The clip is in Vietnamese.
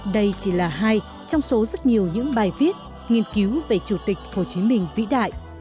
đây chỉ là hai trong số rất nhiều những bài viết nghiên cứu về chủ tịch hồ chí minh vĩ đại